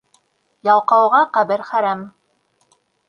Ялҡауға ҡәбер хәрәм.